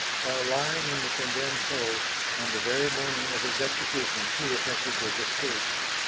While lying in the condemned hold, on the very morning of his execution he effected his escape.